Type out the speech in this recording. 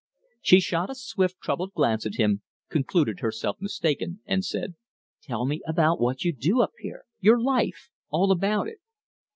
She shot a swift, troubled glance at him, concluded herself mistaken, and said: "Tell me about what you do up here your life all about it."